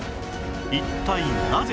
一体なぜ？